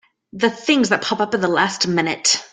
The things that pop up at the last minute!